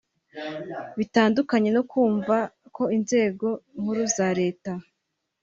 Bitandukanye no kumva ko inzego nkuru za Leta